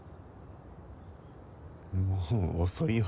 もう遅いよ。